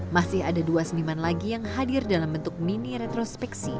masih ada dua seniman lagi yang hadir dalam bentuk mini retrospeksi